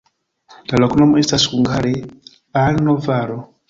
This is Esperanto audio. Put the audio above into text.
La loknomo estas hungare: alno-valo.